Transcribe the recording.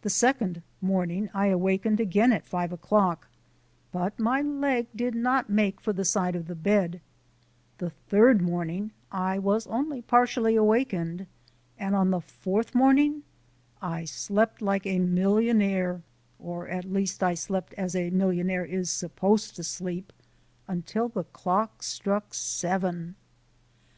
The second morning I awakened again at five o'clock, but my leg did not make for the side of the bed; the third morning I was only partially awakened, and on the fourth morning I slept like a millionaire (or at least I slept as a millionaire is supposed to sleep!) until the clock struck seven.